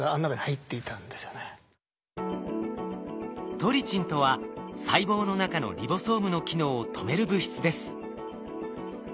トリチンとは細胞の中のリボソームの機能を止める物質です。